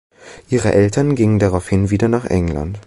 Ihre Eltern gingen daraufhin wieder nach England.